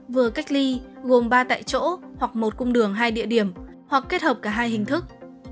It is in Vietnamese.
vừa cách ly gồm ba tại chỗ hoặc một cung đường hai địa điểm hoặc kết hợp cả hai hình thức